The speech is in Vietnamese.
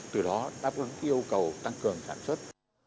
từ đó đáp ứng yêu cầu tăng cường sản xuất